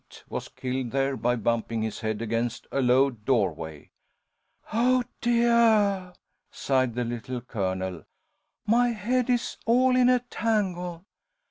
was killed there by bumping his head against a low doorway." "Oh, deah!" sighed the Little Colonel, "my head is all in a tangle.